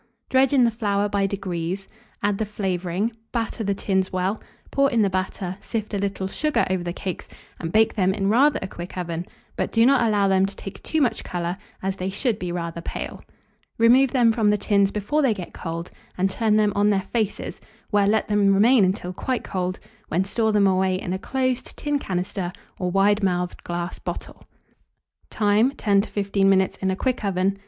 Dredge in the flour by degrees, add the flavouring; batter the tins well, pour in the batter, sift a little sugar over the cakes, and bake them in rather a quick oven, but do not allow them to take too much colour, as they should be rather pale. Remove them from the tins before they get cold, and turn them on their faces, where let them remain until quite cold, when store them away in a closed tin canister or wide mouthed glass bottle. Time. 10 to 15 minutes in a quick oven.